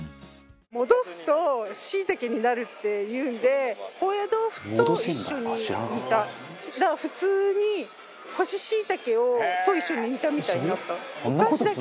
戻すとしいたけになるっていうんで高野豆腐と一緒に煮たら普通に干ししいたけと一緒に煮たみたいになった。